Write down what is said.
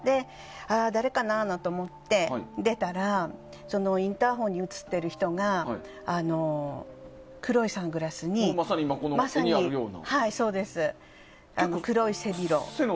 誰かな？と思って出たらインターホンに映っている人が黒いサングラスに黒い背広。